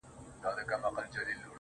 o خو دې زما د مرگ د اوازې پر بنسټ.